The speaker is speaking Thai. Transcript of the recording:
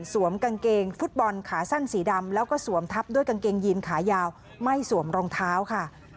กางเกงฟุตบอลขาสั้นสีดำแล้วก็สวมทับด้วยกางเกงยีนขายาวไม่สวมรองเท้าค่ะ